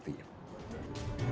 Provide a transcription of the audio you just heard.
persianik di johor barat